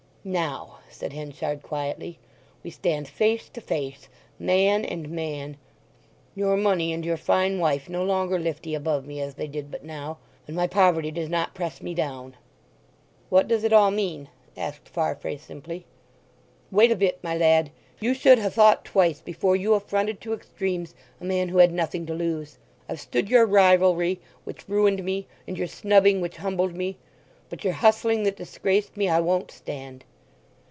"Now," said Henchard quietly, "we stand face to face—man and man. Your money and your fine wife no longer lift 'ee above me as they did but now, and my poverty does not press me down." "What does it all mean?" asked Farfrae simply. "Wait a bit, my lad. You should ha' thought twice before you affronted to extremes a man who had nothing to lose. I've stood your rivalry, which ruined me, and your snubbing, which humbled me; but your hustling, that disgraced me, I won't stand!"